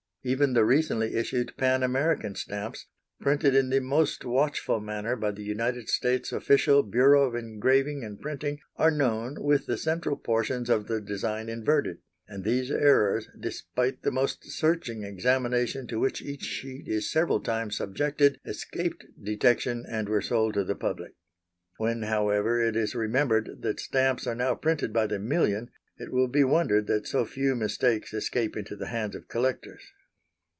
Even the recently issued Pan American stamps, printed in the most watchful manner by the United States official Bureau of Engraving and Printing, are known with the central portions of the design inverted, and these errors, despite the most searching examination to which each sheet is several times subjected, escaped detection, and were sold to the public. When, however, it is remembered that stamps are now printed by the million, it will be wondered that so few mistakes escape into the hands of collectors.